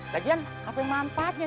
lagian apa manfaatnya